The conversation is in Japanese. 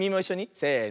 せの。